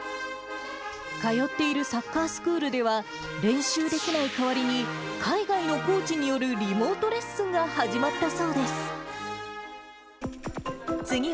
通っているサッカースクールでは、練習できない代わりに、海外のコーチによるリモートレッスンが始まったそうです。